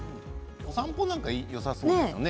散歩なんかよさそうですね。